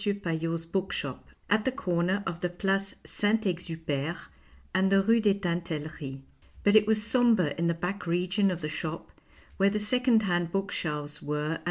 Paillot's bookshop, at the corner of the Place Saint Exupere and the Rue des Tintel leries. But it was sombre in the back region of the shop where the second hand book shelves were and M.